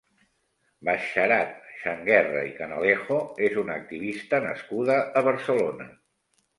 Basharat Changuerra i Canalejo és una activista nascuda a Barcelona.